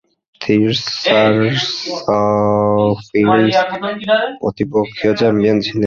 Thurles সারসফিল্ডস প্রতিপক্ষীয় champion ছিলেন।